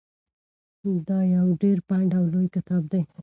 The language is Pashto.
دا یو ډېر پنډ او لوی کتاب دی.